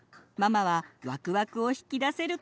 ママはわくわくを引き出せるかな？